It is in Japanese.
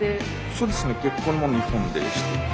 そうですね結婚も日本でしたので。